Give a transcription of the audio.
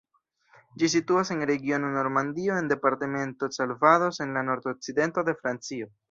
Ĝi situas en regiono Normandio en departemento Calvados en la nord-okcidento de Francio.